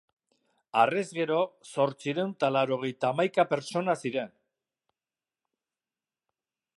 Harrez gero, zortziehun eta laurogeita hamaika pertsona ziren.